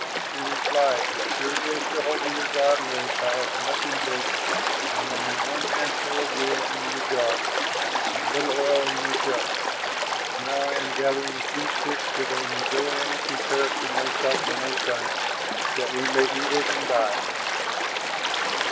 She replied, "As surely as Jehovah your God lives, I have nothing baked, and only one handful of meal in the jar and a little oil in the jug. Now I am gathering a few sticks, that I may go in and prepare it for myself and my son, that we may eat it and die."